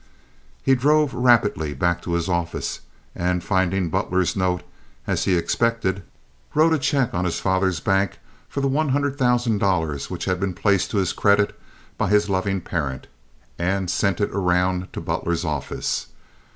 He drove rapidly back to his office, and, finding Butler's note, as he expected, wrote a check on his father's bank for the one hundred thousand dollars which had been placed to his credit by his loving parent, and sent it around to Butler's office.